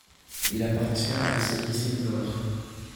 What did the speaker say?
Il appartient à la série Silver.